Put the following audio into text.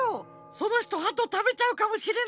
そのひとハトたべちゃうかもしれないじゃない！